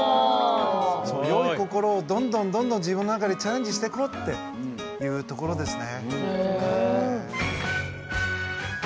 良い心をどんどんどんどん自分の中でチャレンジしていこうっていうところですね。